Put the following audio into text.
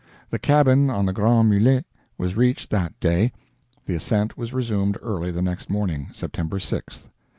The cabin on the Grands Mulets was reached that day; the ascent was resumed early the next morning, September 6th.